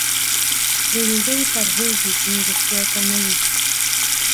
د ډوډۍ پرهېز جسمي روغتیا راکوي.